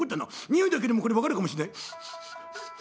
においだけでもこれ分かるかもしれない」。